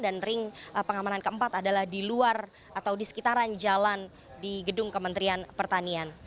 dan ring pengamanan keempat adalah di luar atau di sekitaran jalan di gedung kementerian pertanian